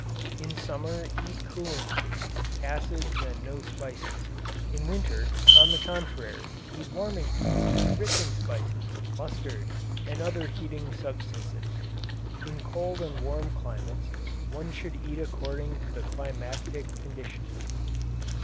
In summer eat cooling food, acids, and no spices. In winter, on the contrary, eat warming foods, rich in spices, mustard, and other heating substances. In cold and warm climates one should eat according to the climatic conditions.